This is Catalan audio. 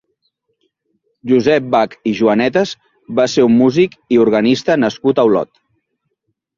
Josep Bach i Joanetas va ser un músic i organista nascut a Olot.